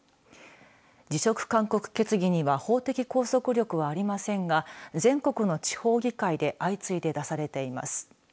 辞職勧告決議には法的拘束力はありませんが全国の地方議会で相次いで出されています。